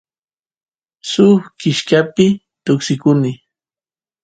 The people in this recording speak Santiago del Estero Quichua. suk kishkapi tuksikuny